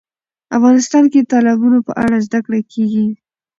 افغانستان کې د تالابونه په اړه زده کړه کېږي.